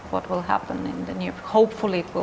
tapi apa yang akan terjadi di indonesia